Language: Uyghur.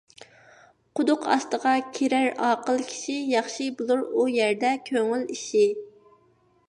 قۇدۇق ئاستىغا كىرەر ئاقىل كىشى، ياخشى بولۇر ئۇ يەردە كۆڭۈل ئىشى.